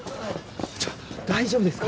ちょ大丈夫ですか？